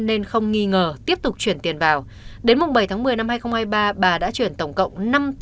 nên không nghi ngờ tiếp tục chuyển tiền vào đến bảy tháng một mươi năm hai nghìn hai mươi ba bà đã chuyển tổng cộng